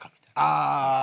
ああ！